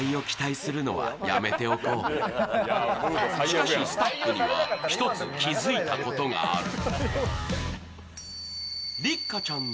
しかしスタッフには１つ気付いたことがある。